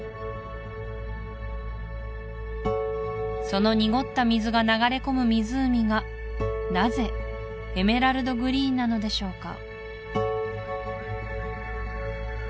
その濁った水が流れこむ湖がなぜエメラルドグリーンなのでしょうか？